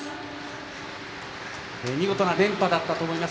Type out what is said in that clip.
見事な連覇だったと思います。